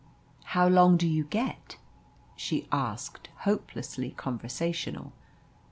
"How long do you get?" she asked, hopelessly conversational.